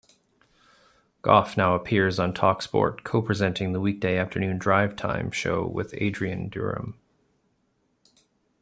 Gough now appears on Talksport, co-presenting the weekday afternoon drivetime show with Adrian Durham.